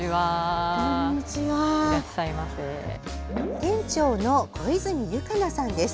店長の小泉ゆかなさんです。